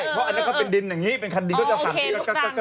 เพราะอันนี้ก็เป็นดินอย่างนี้เป็นคันดินก็จะสั่นอย่างนี้